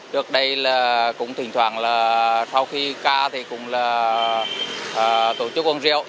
trước đây là cũng thỉnh thoảng là sau khi ca thì cũng là tổ chức uống rượu